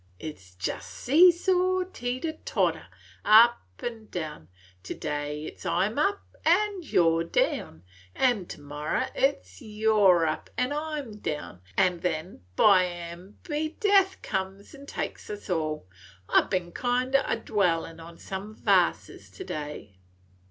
It 's jest see saw, teeter tawter, up an' down. To day it 's I 'm up an' you 're down, an' to morrow it 's you 're up and I 'm down! An' then, by an' by, death comes an' takes us all. I 've been kind o' dwellin' on some varses to day.